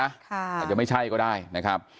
อาจจะไม่ใช่ก็ได้นะครับ